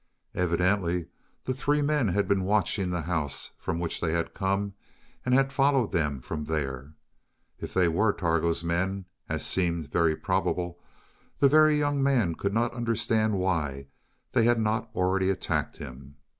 Evidently the three men had been watching the house from which they had come and had followed them from there. If they were Targo's men, as seemed very probable, the Very Young Man could not understand why they had not already attacked him.